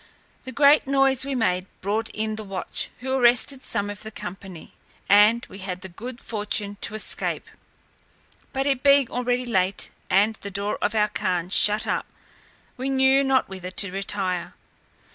The great noise we made brought in the watch, who arrested some of the company, and we had the good fortune to escape: but it being already late, and the door of our khan shut up, we knew not whither to retire.